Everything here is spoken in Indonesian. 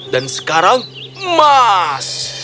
dan sekarang emas